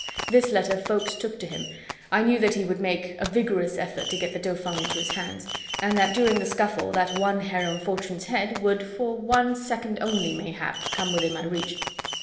This letter Ffoulkes took to him; I knew that he would make a vigorous effort to get the Dauphin into his hands, and that during the scuffle that one hair on Fortune's head would for one second only, mayhap, come within my reach.